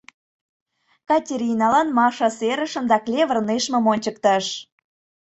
Катериналан Маша серышым да клевер нӧшмым ончыктыш.